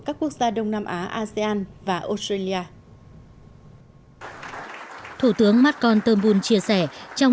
các quốc gia đông nam á asean và australia nói với chủ tương madcon ten boon chia sẻ trong